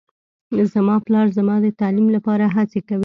زما پلار زما د تعلیم لپاره هڅې کوي